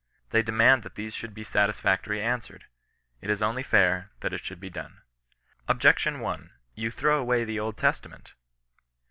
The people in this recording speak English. They demand that these should be satisfactorily answered. It is only fair that it should be done. OBJECTION I. — YOU THROW AWAY THE OLD TESTAMENT.